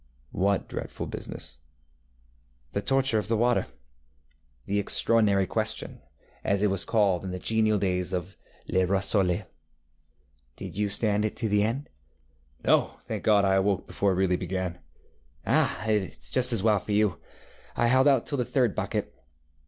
ŌĆØ ŌĆ£What dreadful business? ŌĆØ ŌĆ£The torture of the waterŌĆöthe ŌĆśExtraordinary Question, ŌĆÖ as it was called in the genial days of ŌĆśLe Roi Soleil.ŌĆÖ Did you stand it out to the end? ŌĆØ ŌĆ£No, thank God, I awoke before it really began. ŌĆØ ŌĆ£Ah! it is just as well for you. I held out till the third bucket.